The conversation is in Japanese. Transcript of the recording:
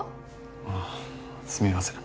ああすみません